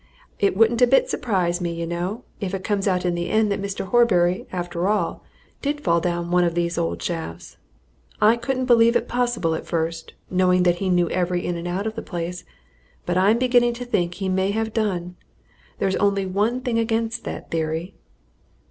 It wouldn't a bit surprise me, you know, if it comes out in the end that Mr. Horbury, after all, did fall down one of these old shafts. I couldn't believe it possible at first, knowing that he knew every in and out of the place, but I'm beginning to think he may have done. There's only one thing against that theory."